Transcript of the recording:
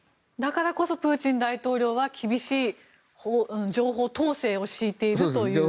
だからこそプーチン大統領は厳しい情報統制を敷いているという。